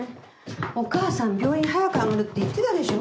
お母さん病院早く上がるって言ってたでしょ？